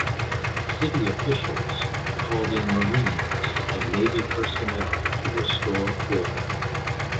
City officials called in Marines and Navy personnel to restore order.